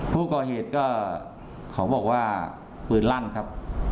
ผู้ก่อเหตุก็เขาบอกว่าปืนลั่นครับ